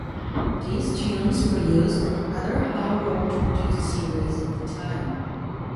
These tunes were used on other Hal Roach produced series at the time.